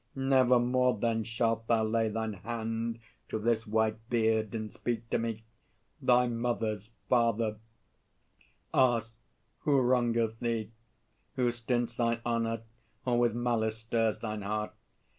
Never more, then, shalt thou lay Thine hand to this white beard, and speak to me Thy "Mother's Father"; ask "Who wrongeth thee? Who stints thine honour, or with malice stirs Thine heart?